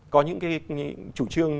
có những chủ trương